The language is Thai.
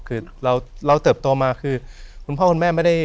คือเราเติบโตมาคือคุณพ่อคุณแม่ไม่ได้